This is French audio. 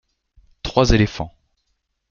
Trois éléphants.